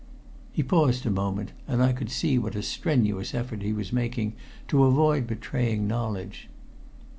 He paused a moment, and I could see what a strenuous effort he was making to avoid betraying knowledge.